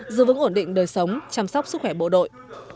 giữ vững ổn định đời sống chăm sóc sức khỏe bộ đội